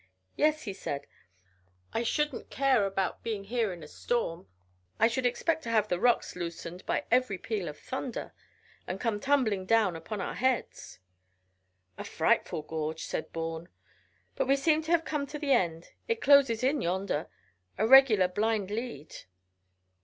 "Yes," he said; "I shouldn't care about being here in a storm. I should expect to have the rocks loosened by every peal of thunder, and come tumbling down upon our heads." "A frightful gorge," said Bourne; "but we seem to have come to the end. It closes in yonder. A regular blind lead."